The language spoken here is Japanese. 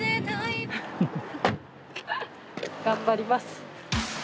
頑張ります。